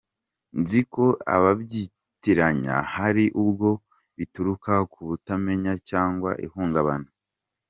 Nzi ko ababyitiranya hari ubwo bituruka ku butamenya cyangwa ihungabana.